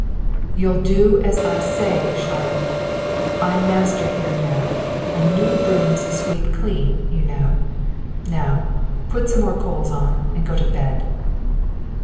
"You'll do as I say, Charlotte; I'm master here now, and new brooms sweep clean, you know. Now, put some more coals on, and go to bed."